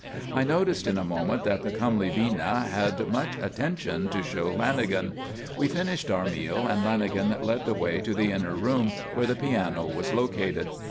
I noticed in a moment that the comely Bina had much attention to show Lanagan. We finished our meal and Lanagan led the way to the inner room, where the piano was located.